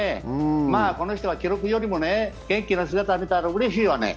まあこの人は記録よりも元気な姿を見たらうれしいわね。